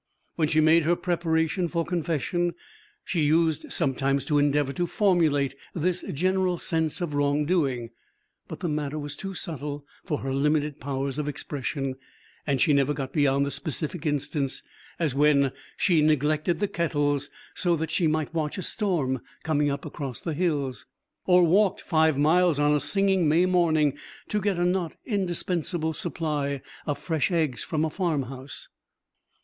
When she made her preparation for confession, she used sometimes to endeavor to formulate this general sense of wrongdoing; but the matter was too subtle for her limited powers of expression, and she never got beyond the specific instance, as when she neglected the kettles so that she might watch a storm coming up across the hills, or walked five miles on a singing May morning to get a not indispensable supply of fresh eggs from a farmhouse.